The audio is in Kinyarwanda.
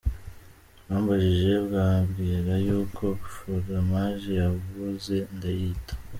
Bambajije mbabwira y’uko foromaje yaboze ndayita.